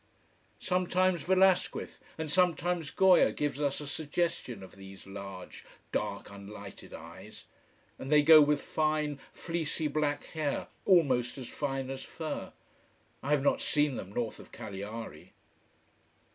Sometimes Velasquez, and sometimes Goya gives us a suggestion of these large, dark, unlighted eyes. And they go with fine, fleecy black hair almost as fine as fur. I have not seen them north of Cagliari.